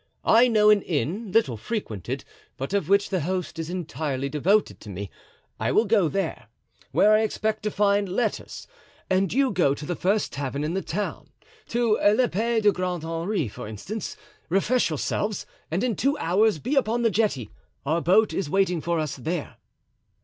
I know an inn, little frequented, but of which the host is entirely devoted to me. I will go there, where I expect to find letters, and you go to the first tavern in the town, to L'Epee du Grand Henri for instance, refresh yourselves, and in two hours be upon the jetty; our boat is waiting for us there."